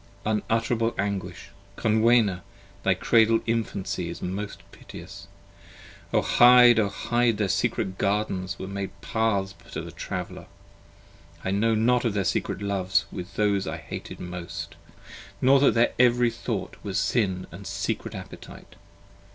unutterable anguish! Conwenna! Thy cradled infancy is most piteous. O hide, O hide! 25 Their secret gardens were made paths to the traveller: I knew not of their secret loves with those I hated most, Nor that their every thought was Sin & secret appetite.